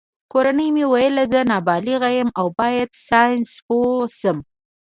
کورنۍ مې ویل زه نابغه یم او باید ساینسپوه شم